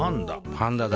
パンダだ。